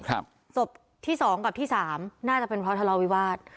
ศพที่สองกับที่สามน่าจะเป็นเพราะทะเลาวิวาส